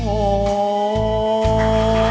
ขอบคุณครับ